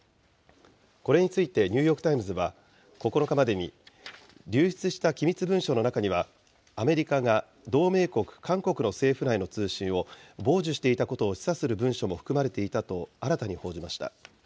これについて、ニューヨーク・タイムズは９日までに、流出した機密文書の中には、アメリカが同盟国、韓国の政府内の通信を傍受していたことを示唆する文書も含まれていたと、新たに報じました。